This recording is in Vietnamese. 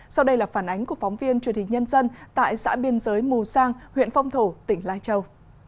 sau đây là phản ánh của phóng viên truyền hình nhân dân tại xã biên giới mù sang huyện phong thổ tỉnh lai châu